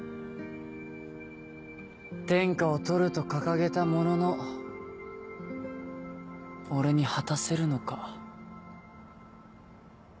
天下を獲ると掲げたものの俺に果たせるのか。